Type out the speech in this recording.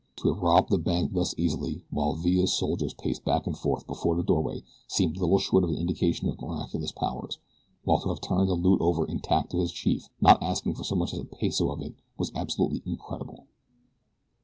To have robbed the bank thus easily while Villa's soldiers paced back and forth before the doorway seemed little short of an indication of miraculous powers, while to have turned the loot over intact to his chief, not asking for so much as a peso of it, was absolutely incredible.